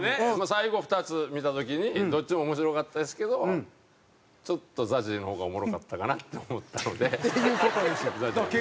最後２つ見た時にどっちも面白かったですけどちょっとＺＡＺＹの方がおもろかったかなって思ったのでＺＡＺＹに入れました。